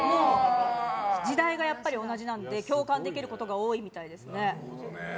時代がやっぱり同じなので共感できることが多いみたいですね。